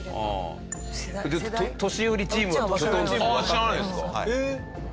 知らないですか？